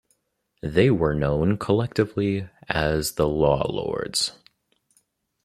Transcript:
They were known collectively as the Law Lords.